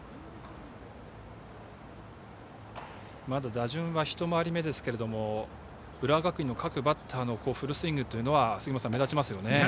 まだ打順は１回り目ですけれども浦和学院の各バッターのフルスイングというのは目立ちますよね。